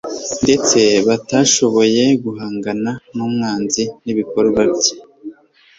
ndetse batashoboye guhangana n'umwanzi n'ibikorwa bye.